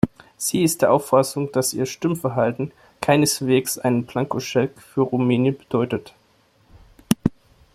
Sie ist der Auffassung, dass ihr Stimmverhalten keineswegs einen Blankoscheck für Rumänien bedeutet.